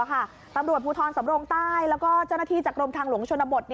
ตำรวจภูทรสำรงใต้แล้วก็เจ้าหน้าที่จากกรมทางหลวงชนบท